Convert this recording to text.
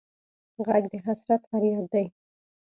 غږ د حسرت فریاد دی